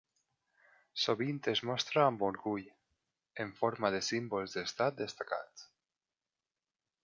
Sovint es mostra amb orgull, en forma de símbols d'estat destacats.